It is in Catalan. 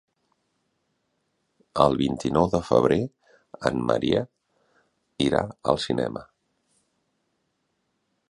El vint-i-nou de febrer en Maria irà al cinema.